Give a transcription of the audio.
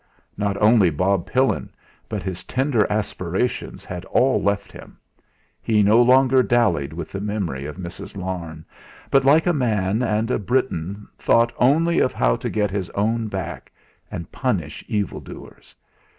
Not only Bob Pillin, but his tender aspirations had all left him; he no longer dallied with the memory of Mrs. Larne, but like a man and a Briton thought only of how to get his own back, and punish evildoers.